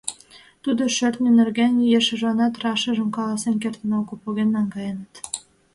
Тудо шӧртньӧ нерген ешыжланат рашыжым каласен кертын огыл, поген наҥгаеныт.